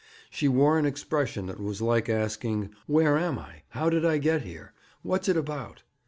She wore an expression that was like asking 'Where am I? How did I get here? What's it about?'